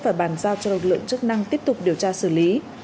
và bàn giao cho lực lượng chức năng tiếp tục điều tra xử lý